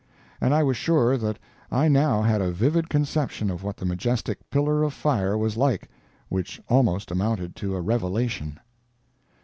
And I was sure that I now had a vivid conception of what the majestic "pillar of fire" was like, which almost amounted to a revelation.